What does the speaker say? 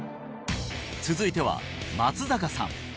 続いては松坂さん